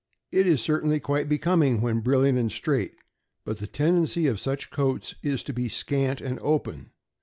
It is certainly quite becoming when brilliant and straight, but the tendency of such coats is to be scant and open.